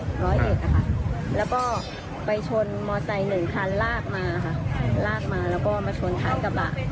รอบร้อยเอกแล้วก็ไปชนมอเตยหนึ่งคันลากมาแล้วก็มาชนทางกระบะ